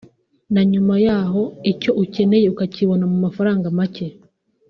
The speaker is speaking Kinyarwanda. na nyuma yaho icyo ukeneye ukakibona ku mafaranga make